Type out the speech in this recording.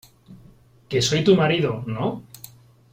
que soy tu marido ,¿ no ?